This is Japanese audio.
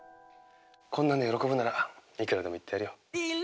こんなんで喜ぶならいくらでも言ってやるよ。